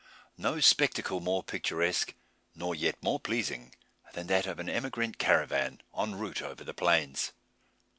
No spectacle more picturesque, nor yet more pleasing, than that of an emigrant caravan en route over the plains.